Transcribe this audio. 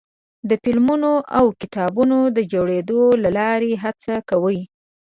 د فلمونو او کتابونو د جوړېدو له لارې هڅه کوي.